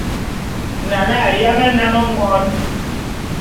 Nane a yám nnám ngon.